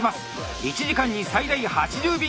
１時間に最大８０便以上。